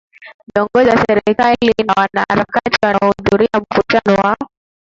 Viongozi wa serikali na wanaharakati wanaohudhuria mkutano wa